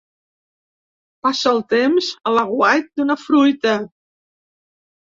Passa el temps a l'aguait d'una fruita.